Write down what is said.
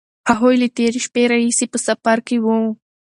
هغوی له تېرې شپې راهیسې په سفر کې وو.